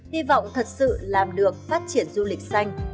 hy vọng thật sự làm được phát triển du lịch xanh